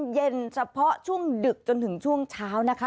เย็นเฉพาะช่วงดึกจนถึงช่วงเช้านะคะ